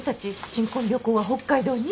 新婚旅行は北海道に？